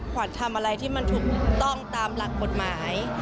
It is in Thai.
ขวัญทำอะไรที่มันถูกต้องตามหลักกฎหมาย